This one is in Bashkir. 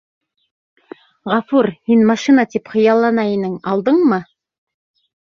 Ғәфүр, һин машина тип хыяллана инең, алдыңмы?